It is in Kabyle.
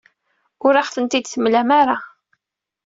Ur aɣ-tent-id-temlam ara.